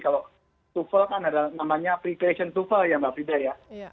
kalau tufel kan ada namanya pre creation tufel ya mbak fribe